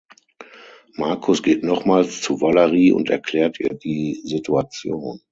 Marcus geht nochmals zu Valerie und erklärt ihr die Situation.